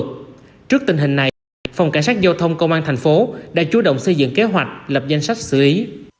trước tình hình này phòng cảnh sát giao thông công an thành phố đã chú động xây dựng kế hoạch lập danh sách xử lý